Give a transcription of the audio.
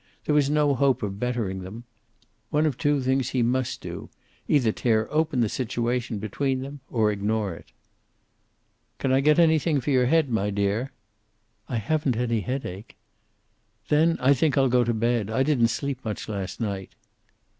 There was no hope of bettering them. One of two things he must do, either tear open the situation between them, or ignore it. "Can I get anything for your head, my dear?" "I haven't any headache." "Then I think I'll go to bed. I didn't sleep much last night."